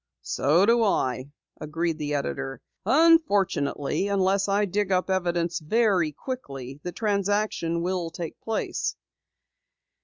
"So do I," agreed the editor. "Unfortunately, unless I dig up evidence very quickly, the transaction will take place."